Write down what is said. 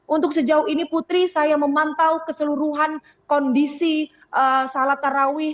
untuk sejauh ini putri saya memantau keseluruhan kondisi salat tarawih